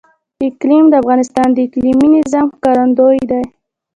اقلیم د افغانستان د اقلیمي نظام ښکارندوی ده.